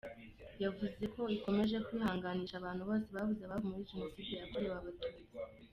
Yavuze ko ikomeje kwihanganisha abantu bose babuze ababo muri jenoside yakorewe abatutsi.